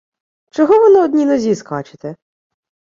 Чого ви на одній нозі скачете?